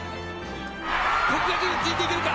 國學院、ついていけるか。